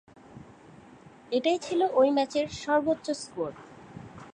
এটাই ছিল ওই ম্যাচের সর্বোচ্চ স্কোর।